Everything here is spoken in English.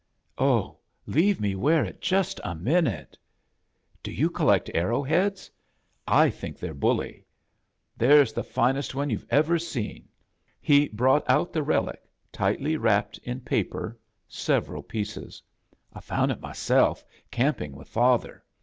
"Oh, leave me wear it Just a mioutel Do you collect arrow heads? I thiok they're buUy. There's the finest one you ever seen." He brought out the relic, tightly wrapped in paper, several pie:;es. "I foun' it myself, camping with father.